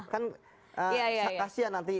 kan kasih ya nanti